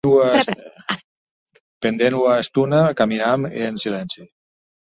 Pendent ua estona caminam en silenci.